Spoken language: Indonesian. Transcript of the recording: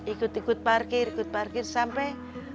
ikut ikut parkir ikut parkir sampai